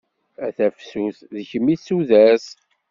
A tafsut, d kemm i d tudert.